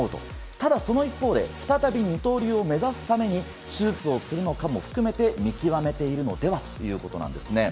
ただ、その一方で、再び二刀流を目指すために、手術をするのかも含めて見極めているのではということなんですね。